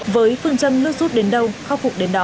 với phương chân lướt rút đến đâu khắc phục đến đó